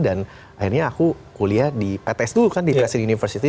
dan akhirnya aku kuliah di pt s dulu kan di presiden university